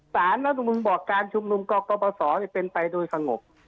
สารรัฐมนุนบอกการชุมนุมกปศเป็นไปโดยสงบ